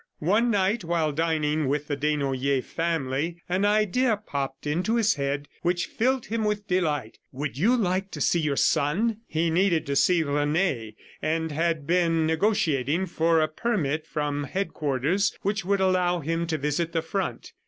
One night, while dining with the Desnoyers family, an idea popped into his head which filled him with delight. "Would you like to see your son?" He needed to see Rene and had begun negotiating for a permit from headquarters which would allow him to visit the front.